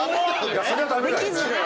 そりゃ駄目だよ。